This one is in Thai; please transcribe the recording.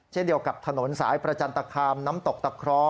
เช่นเดียวกับถนนสายประจันตคามน้ำตกตะคร้อ